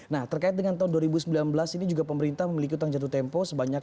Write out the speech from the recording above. nah terkait dengan tahun dua ribu sembilan belas ini juga pemerintah memiliki utang jatuh tempo sebanyak